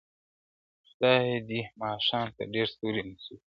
• خدایه دې ماښام ته ډېر ستوري نصیب کړې,